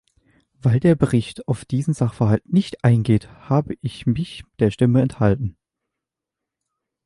Weil der Bericht auf diesen Sachverhalt nicht eingeht, habe ich mich der Stimme enthalten.